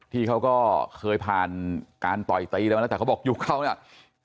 ที่เขาก็เคยผ่านการต่อยตีอะไรมาแล้วแต่เขาบอกยุคเขาเนี่ย